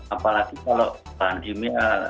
apalagi kalau bahan kimia